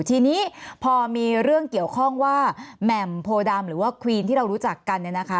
ทีนี้พอมีเรื่องเกี่ยวข้องว่าแหม่มโพดำหรือว่าควีนที่เรารู้จักกันเนี่ยนะคะ